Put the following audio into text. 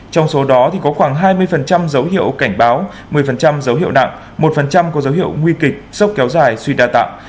trong số đó có khoảng hai mươi dấu hiệu cảnh báo một mươi dấu hiệu nặng một có dấu hiệu nguy kịch sốc kéo dài suy đa tạng